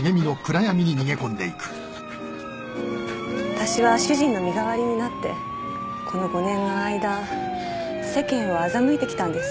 私は主人の身代わりになってこの５年の間世間をあざむいてきたんです。